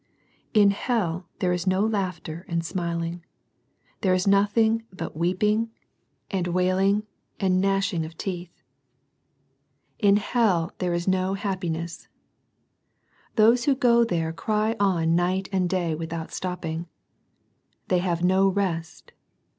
In hel there is no laughter and smiling. There is no tAing but ^' weeping and ^aV\ixi^ ^xi^ ^ca^Kccsi NO MORE CRYING. 69 of teeth." In hell there is no happiness. Those who go there cry on night and day without stop ping. They have no rest.